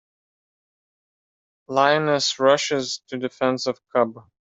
Lioness Rushes to Defense of Cub.